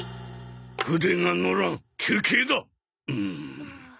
筆がのらん休憩だ。